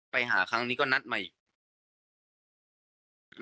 ไปหาครั้งนี้ก็นัดใหม่อีก